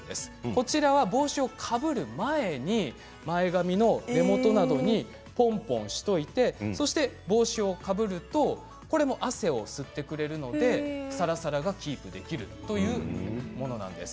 こちらは帽子をかぶる前に前髪の根元などにポンポンしておいて帽子をかぶるとこれも汗を吸ってくれるのでさらさらがキープできるというものなんです。